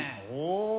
お。